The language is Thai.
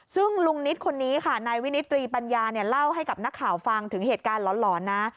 ซึ่งลุงนิตคนนี้ค่ะนายวินิตรีปัญญาเนี่ยเล่าให้กับนักข่าวฟังถึงเหตุการณ์หลอนนะ